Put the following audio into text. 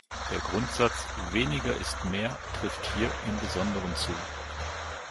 Der Grundsatz "weniger ist mehr" trifft hier im Besonderen zu.